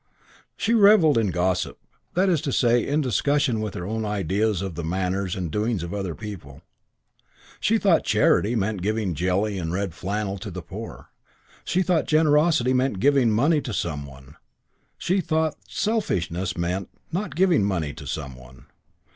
She revelled in gossip, that is to say in discussion with her own class of the manners and doings of other people. She thought charity meant giving jelly and red flannel to the poor; she thought generosity meant giving money to some one; she thought selfishness meant not giving money to some one.